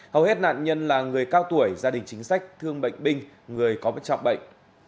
hầu hết nạn nhân là người cao tuổi gia đình chính sách thương bệnh binh người có bất trọng bệnh